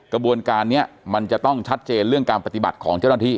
กระบวนการนี้มันจะต้องชัดเจนเรื่องการปฏิบัติของเจ้าหน้าที่